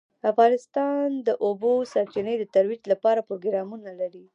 افغانستان د د اوبو سرچینې د ترویج لپاره پروګرامونه لري.